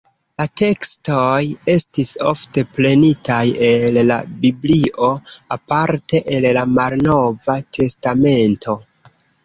La tekstoj estis ofte prenitaj el la Biblio, aparte el la Malnova testamento.